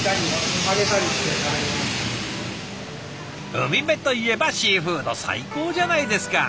海辺といえばシーフード最高じゃないですか！